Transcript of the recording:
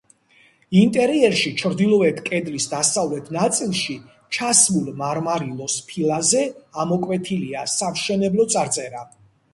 ინტერიერში ჩრდილოეთ კედლის დასავლეთ ნაწილში ჩასმულ მარმარილოს ფილაზე ამოკვეთილია სამშენებლო წარწერა.